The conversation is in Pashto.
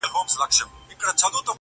پرېږده چي نور په سره ناسور بدل سي.